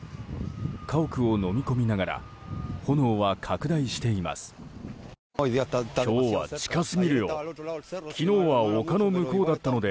家屋をのみ込みながら炎は拡大しています。